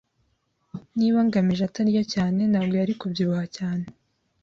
[S] Niba ngamije atarya cyane, ntabwo yari kubyibuha cyane.